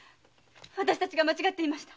私たちが間違っていました。